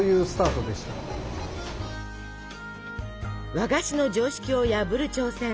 和菓子の常識を破る挑戦。